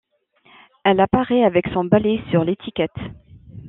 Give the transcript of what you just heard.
Elle apparaît avec son balai sur l'étiquette.